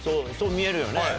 そう見えるよね。